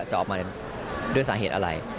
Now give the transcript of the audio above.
จะออกมาด้วยสาเหตุอะไร